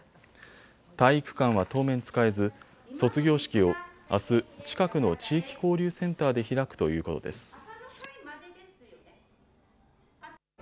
体育館は当面使えず卒業式をあす、近くの地域交流センターで開くということです。